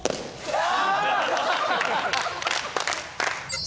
ああ！